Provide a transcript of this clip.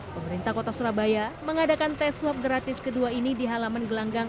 pemerintah kota surabaya mengadakan tes swab gratis kedua ini di halaman gelanggang